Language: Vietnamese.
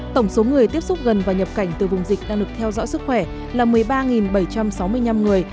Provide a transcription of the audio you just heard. tổng số người tiếp xúc gần và nhập cảnh từ vùng dịch đang được theo dõi sức khỏe là một mươi ba bảy trăm sáu mươi năm người